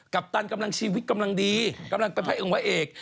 ปตันกำลังชีวิตกำลังดีกำลังเป็นพระเอิงพระเอก